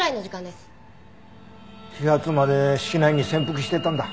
始発まで市内に潜伏してたんだ。